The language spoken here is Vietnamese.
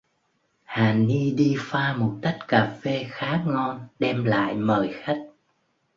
Hà ni đi pha một tách cà phê khá ngon đem lại mời khách